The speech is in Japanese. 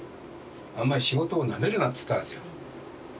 あんまり仕事をなめるなっつったんですよ。